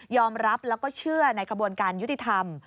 รับแล้วก็เชื่อในกระบวนการยุติธรรม